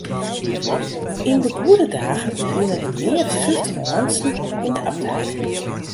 Yn de goede dagen wiene der mear as fyftich muontsen yn de abdij.